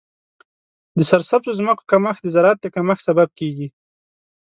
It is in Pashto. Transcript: د سرسبزو ځمکو کمښت د زراعت د کمښت سبب کیږي.